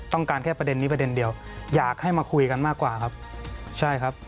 ต้องการแค่ประเด็นนี้ประเด็นเดียวอยากให้มาคุยกันมากกว่าครับ